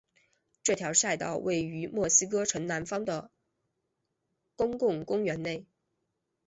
这条赛道位于墨西哥城南方的的公共公园内。